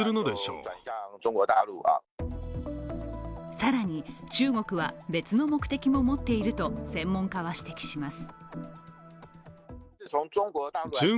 更に、中国は別の目的も持っていると専門家は指摘します。